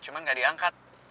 cuman gak diangkat